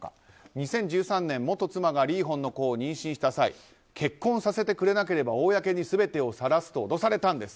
２０１３年、元妻がリーホンの子を妊娠した際結婚させてくれなければ公に全てをさらすと脅されたんです。